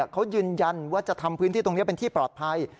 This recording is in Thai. เขายืนยันว่าจะทำพื้นที่ตรงนี้เป็นที่ปลอดภัย